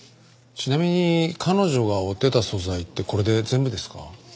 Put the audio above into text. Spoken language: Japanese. ちなみに彼女が追ってた素材ってこれで全部ですか？